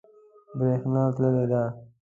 بریښنا تللی ده